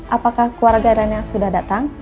apakah keluarganya sudah datang